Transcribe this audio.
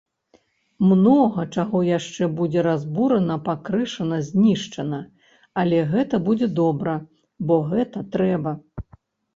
Многа чаго яшчэ будзе разбурана, пакрышана, знішчана, але гэта будзе добра, бо гэта трэба.